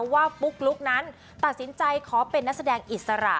ปุ๊กลุ๊กนั้นตัดสินใจขอเป็นนักแสดงอิสระ